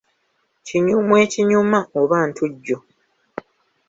Kinyumu ekinyuma oba ntujjo.